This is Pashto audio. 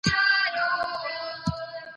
شاه محمود د وزیرانو د زړو مخالفین وژلي.